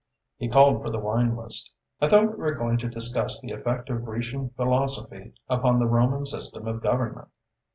He called for the wine list. "I thought we were going to discuss the effect of Grecian philosophy upon the Roman system of government."